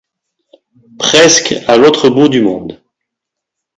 Presque à l'autre bout du monde.